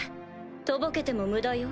とぼけても無駄よ